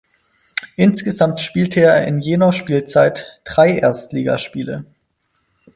Insgesamt spielte er in jener Spielzeit drei Erstligaspiele.